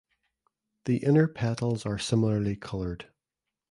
The inner petals are similarly colored.